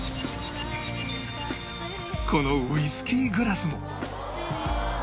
このウイスキーグラスも